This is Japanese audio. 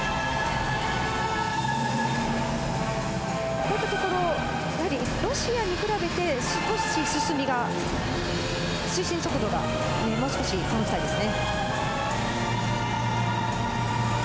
こういったところ、ロシアに比べて、少し進みが推進速度がもう少し工夫したいですね。